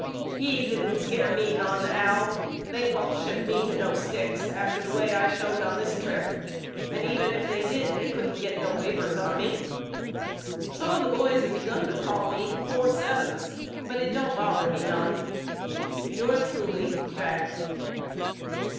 He didn't scare me none AL They won't ship me to no sticks after the way I showed on this trip and even if they did they couldn't get no waivers on me. Some of the boys have begun to call me Four Sevens but it don't bother me none. Yours truly, JACK.